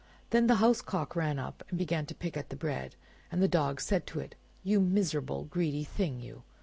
Then the House Cock ran up, and began to pick at the bread; and the Dog said to it— "You miserable greedy thing, you!